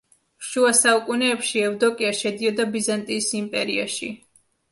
შუა საუკუნეებში ევდოკია შედიოდა ბიზანტიის იმპერიაში.